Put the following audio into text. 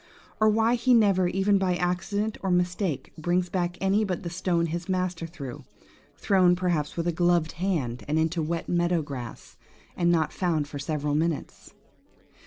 or why he never, even by any accident or mistake, brings back any but the stone his master threw–thrown, perhaps, with a gloved hand, and into wet meadow grass, and not found for several minutes?